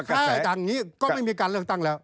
แค่จากนี้ก็ไม่มีการเลือกตั้งแล้ว